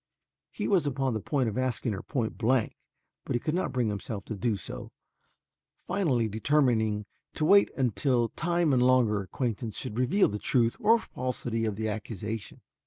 He was upon the point of asking her point blank but he could not bring himself to do so, finally determining to wait until time and longer acquaintance should reveal the truth or falsity of the accusation.